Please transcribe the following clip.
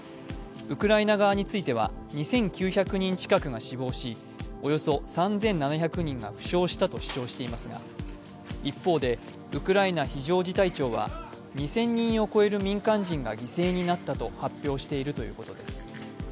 ウクライナ側については２９００人近くが死亡し、およそ３７００人が負傷したと主張していますが、一方でウクライナ非常事態庁は２０００人を超える民間人が犠牲になったと発表しているということです。